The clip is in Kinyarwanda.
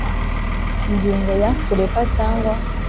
Ingingo ya Kureka cyangwa